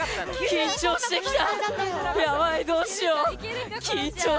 緊張してきた！